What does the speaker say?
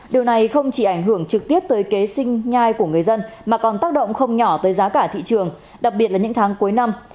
điều này không chỉ ảnh hưởng trực tiếp tới kế sinh nhai của người dân mà còn tác động không nhỏ tới giá cả thị trường đặc biệt là những tháng cuối năm